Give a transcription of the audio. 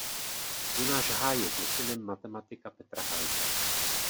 Jonáš Hájek je synem matematika Petra Hájka.